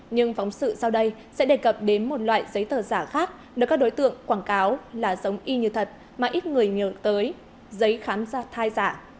nhưng phóng sự sau đây sẽ đề cập đến một loại giấy tờ giả khác được các đối tượng quảng cáo là giống y như thật mà ít người nhớ tới giấy khám ra thai giả